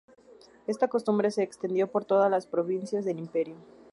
Esta costumbre se extendió por todas las provincias del Imperio.